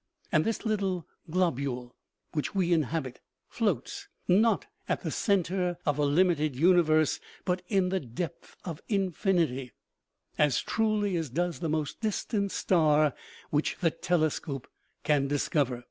And the little globule which we inhabit floats, not at the center of a limited universe, but in the depth of infinity, as truly as does the most distant star which the telescope can discover.